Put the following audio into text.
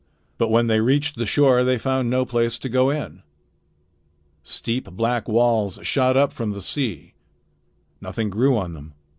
But when they reached the shore they found no place to go in. Steep black walls shot up from the sea. Nothing grew on them.